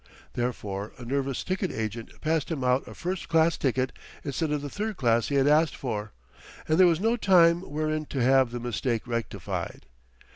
Therefore a nervous ticket agent passed him out a first class ticket instead of the third class he had asked for; and there was no time wherein to have the mistake rectified.